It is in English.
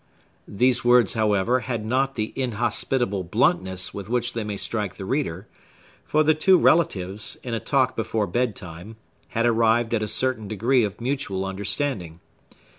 These words, however, had not the inhospitable bluntness with which they may strike the reader; for the two relatives, in a talk before bedtime, had arrived at a certain degree of mutual understanding.